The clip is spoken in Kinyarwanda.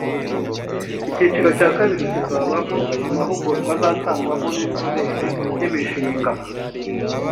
Icyiciro cya kabiri kizabamo amahugurwa azatangwa n’inzobere mu by’imishinga